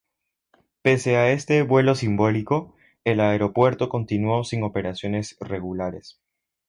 Pese a este vuelo simbólico, el aeropuerto continuó sin operaciones regulares.